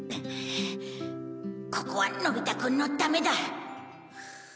ここはのび太くんのためだ